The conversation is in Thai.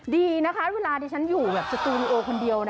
ดีนะคะเวลาที่ฉันอยู่แบบสตูดิโอคนเดียว